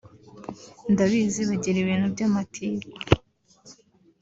ndabizi bagira ibintu by’amatiku